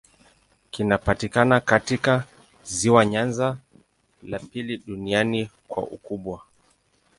Kinapatikana katika ziwa Nyanza, la pili duniani kwa ukubwa.